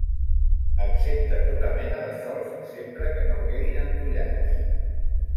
Accepta tota mena de sòls sempre que no quedin entollats.